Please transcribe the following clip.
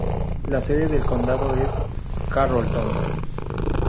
La sede de condado es Carrollton.